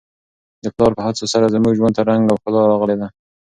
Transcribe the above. د پلار په هڅو سره زموږ ژوند ته رنګ او ښکلا راغلې ده.